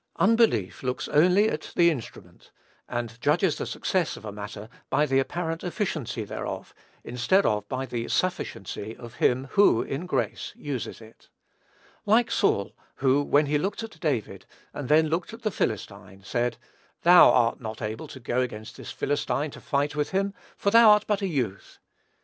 Unbelief looks only at the instrument, and judges of the success of a matter by the apparent efficiency thereof, instead of by the sufficiency of him who, in grace, uses it. Like Saul, who, when he looked at David, and then looked at the Philistine, said, "Thou art not able to go against this Philistine to fight with him; for thou art but a youth."